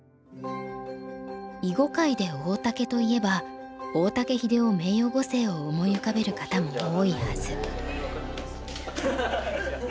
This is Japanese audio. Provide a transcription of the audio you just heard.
囲碁界で「大竹」といえば大竹英雄名誉碁聖を思い浮かべる方も多いはず。